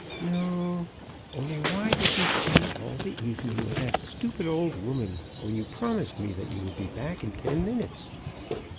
"No; only why did you stay all the evening with that stupid old woman, when you promised me that you would be back in ten minutes?"